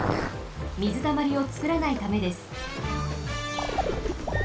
みずたまりをつくらないためです。